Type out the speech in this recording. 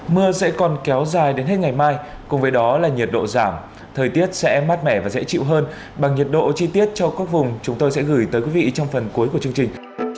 mưa sẽ còn kéo dài đến hết ngày mai cùng với đó là nhiệt độ giảm thời tiết sẽ mát mẻ và dễ chịu hơn bằng nhiệt độ chi tiết cho các vùng chúng tôi sẽ gửi tới quý vị trong phần cuối của chương trình